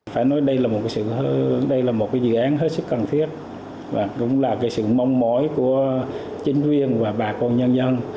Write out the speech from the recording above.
phải nói đây là một cái dự án hết sức cần thiết cũng là sự mong mỏi của chính viên và bà con nhân dân